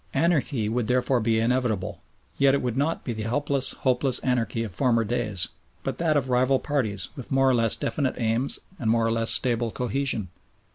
Anarchy would therefore be inevitable, yet it would not be the helpless, hopeless anarchy of former days, but that of rival parties with more or less definite aims and more or less stable cohesion.